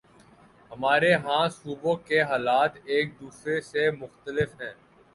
ہمارے ہاں صوبوں کے حالات ایک دوسرے سے مختلف ہیں۔